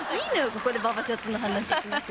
ここでババシャツの話しなくて。